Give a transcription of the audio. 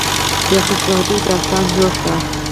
د خوشبختی داستان جوړ کړی.